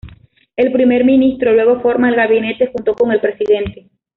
El primer ministro luego forma el gabinete, junto con el presidente.